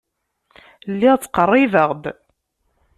Lliɣ ttqerribeɣ-d.